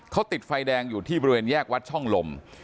เขาติดไฟแดงอยู่ที่บริเวณแยกวัดช่องลม